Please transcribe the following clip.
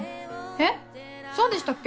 えっそうでしたっけ？